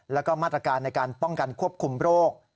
แล้วก็มาตรการในการป้องกันควบคุมโรค